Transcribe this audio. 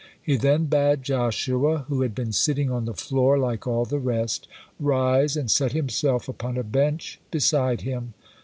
He then bade Joshua, who had been sitting on the floor like all the rest, rise and set himself upon a bench beside him.